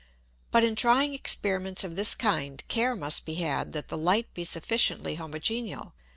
But in trying Experiments of this kind care must be had that the Light be sufficiently homogeneal.